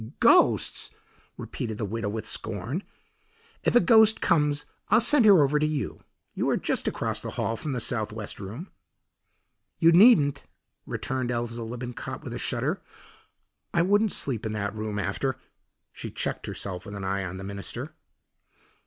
"Ghosts!" repeated the widow with scorn. "If a ghost comes I'll send her over to you. You are just across the hall from the southwest room." "You needn't," returned Eliza Lippincott with a shudder. "I wouldn't sleep in that room, after " she checked herself with an eye on the minister.